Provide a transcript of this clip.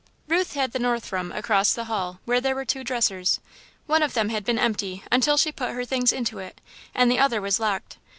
Ruth had the north room, across the hall, where there were two dressers. One of them had been empty, until she put her things into it, and the other was locked.